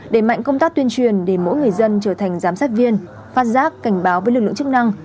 để mạnh công tác tuyên truyền để mỗi người dân trở thành giám sát viên phát giác cảnh báo với lực lượng chức năng